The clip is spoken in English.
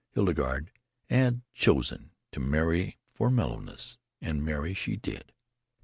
Hildegarde had chosen to marry for mellowness, and marry she did....